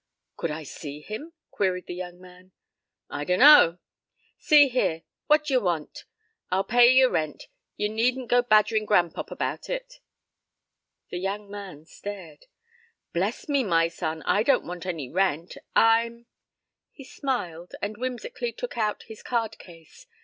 "Could I see him?" queried the young man. "I dunno. See here. What d'yer want? I'll pay yer rent. Yer needn't go badgerin' gran'pop about it." The young man stared. "Bless me, my son. I don't want any rent. I'm," he smiled, and whimsically took out his card case.